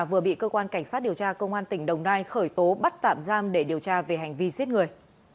vừa bị cơ quan cảnh sát điều tra công an tỉnh đồng nai khởi tố bắt tạm giam để điều tra về hành vi giết người